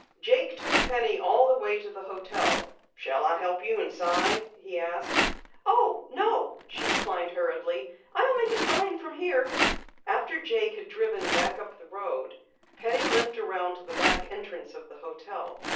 Jake took Penny all the way to the hotel. "Shall I help you inside?" he asked. "Oh, no," she declined hurriedly. "I'll make it fine from here." After Jake had driven back up the road, Penny limped around to the back entrance of the hotel.